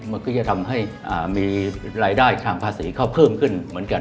มันก็จะทำให้มีรายได้ทางภาษีเข้าเพิ่มขึ้นเหมือนกัน